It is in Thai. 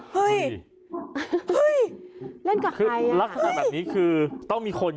เฮ้ยเห้ยเล่นกับใครอ่ะค่ะเรื่องแบบนี้คือต้องมีคน